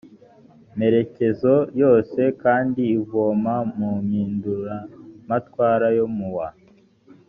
merekezo yose kandi ivoma mu mpinduramatwara yo mu wa